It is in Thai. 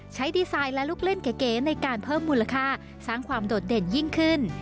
ดีไซน์และลูกเล่นเก๋ในการเพิ่มมูลค่าสร้างความโดดเด่นยิ่งขึ้น